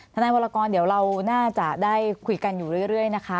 ทนายวรกรเดี๋ยวเราน่าจะได้คุยกันอยู่เรื่อยนะคะ